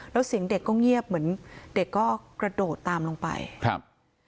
แล้วเสียงเด็กก็เงียบเหมือนเด็กก็กระโดดตามลงไปครับ